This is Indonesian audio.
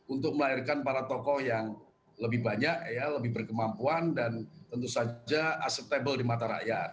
untuk melahirkan para tokoh yang lebih banyak lebih berkemampuan dan tentu saja acceptable di mata rakyat